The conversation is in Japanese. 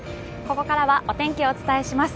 ここからはお天気をお伝えします。